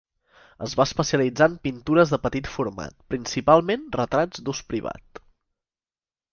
Es va especialitzar en pintures de petit format, principalment retrats d'ús privat.